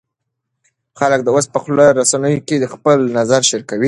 خلک اوس په خواله رسنیو کې خپل نظر شریکوي.